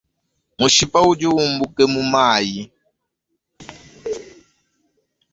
Mushipa udi umbuka mumayi.